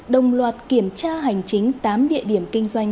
đồng loạt kiểm tra hành chính tám địa điểm kinh doanh